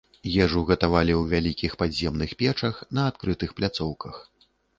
Ежу гатавалі ў вялікіх падземных печах на адкрытых пляцоўках.